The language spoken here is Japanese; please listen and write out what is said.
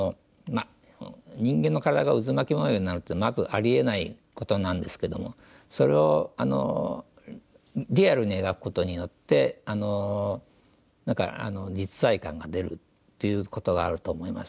人間の体がうずまき模様になるってまずありえないことなんですけどもそれをリアルに描くことによって何か実在感が出るということがあると思います。